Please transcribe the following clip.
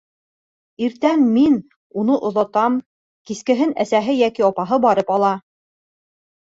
Иртән мин у,ны оҙатам, кисен әсәһе йәки апаһы барып ала.